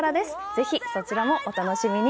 ぜひそちらもお楽しみに。